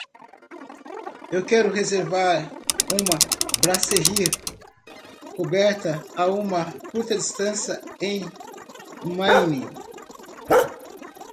Eu quero reservar uma brasserie coberta a uma curta distância em Maine.